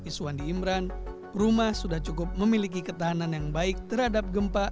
iswandi imran rumah sudah cukup memiliki ketahanan yang baik terhadap gempa